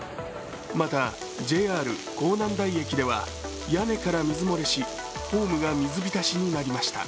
また、ＪＲ港南台駅では屋根から水漏れしホームが水浸しになりました。